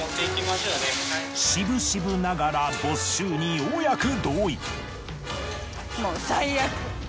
しぶしぶながら没収にようやく同意。